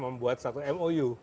membuat satu mou